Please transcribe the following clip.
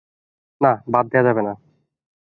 না, বাদ দেয়া যাবে না।